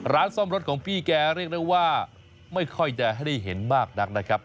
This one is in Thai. ร้านซ่อมรถของพี่แกเรียกได้ว่าไม่ค่อยจะให้ได้เห็นมากนักนะครับ